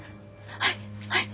はいはい。